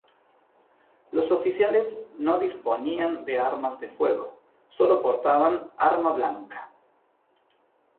Los oficiales no disponían de armas de fuego, sólo portaban arma blanca.